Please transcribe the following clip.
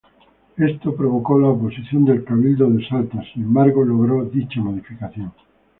Esto provocó la oposición del cabildo de Salta, sin embargo logró dicha modificación.